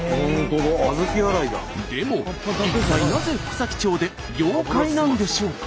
でも一体なぜ福崎町で妖怪なんでしょうか？